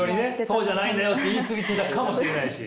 そうじゃないんだよって言い過ぎてたかもしれないし。